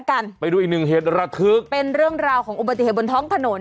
ละกันไปดูอีกหนึ่งเหตุรกคลิกเป็นเรื่องราวของอุบัติธรรมบนท้อง